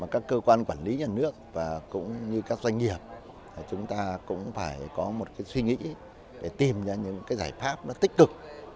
các cơ quan quản lý nhà nước và cũng như các doanh nghiệp chúng ta cũng phải có một suy nghĩ để tìm ra những giải pháp tích cực